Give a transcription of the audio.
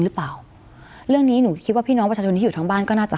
คุณเอ๋ไม่ใช่นะเขารอกจบ๔ปีวาร้าก็ได้แล้วเหรอ